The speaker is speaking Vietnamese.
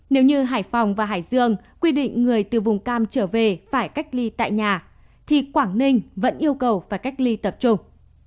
nếu như hải phòng và hải dương quy định người từ vùng cam trở về phải cách ly tại nhà thì quảng ninh vẫn yêu cầu phải cách ly tập trung